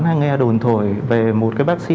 hay nghe đồn thổi về một cái bác sĩ